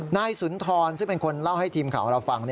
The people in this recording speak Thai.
นายสุนทรซึ่งเป็นคนเล่าให้ทีมข่าวเราฟัง